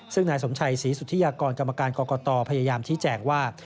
ซึ่งนายสมชัยศรีสุธิยากรกรรมการกรกตพยายามชี้แจงว่า